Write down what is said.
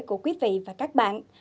của quý vị và các bạn